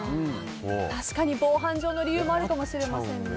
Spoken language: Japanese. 確かに、防犯上の理由もあるかもしれませんね。